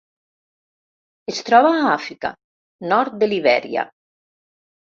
Es troba a Àfrica: nord de Libèria.